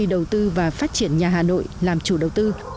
tổng công ty đầu tư và phát triển nhà hà nội làm chủ đầu tư